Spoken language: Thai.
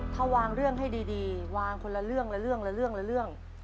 ถ้าวางเรื่องให้ดีวางคนละเรื่องละเรื่องละเรื่องละเรื่อง